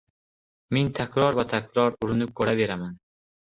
Men takror va takror urunib ko‘raveraman